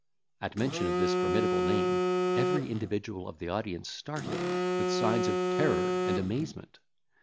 At mention of this formidable name, every individual of the audience started, with signs of terror and amazement.